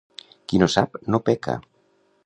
Qui no sap, no peca.